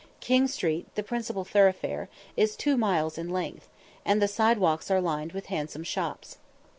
King Street, the principal thoroughfare, is two miles in length, and the side walks are lined with handsome shops.